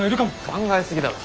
考えすぎだろ。